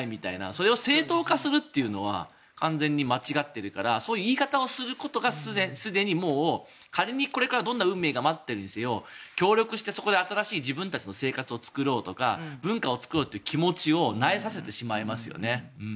それを正当化するというのは完全に間違ってるからそういう言い方をすることがすでに仮にこれからどんな運命が待ってるにせよ協力して自分たちの新しい生活を作ろうとか文化を作ろうという気持ちを萎えさせてしまいますよね。